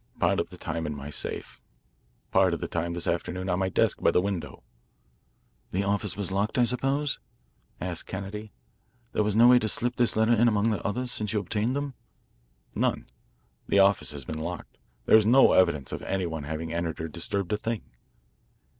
"Part of the time in my safe, part of the time this afternoon on my desk by the window." "The office was locked, I suppose?" asked Kennedy. "There was no way to slip this letter in among the others since you obtained them?" "None. The office has been locked, and there is no evidence of any one having entered or disturbed a thing."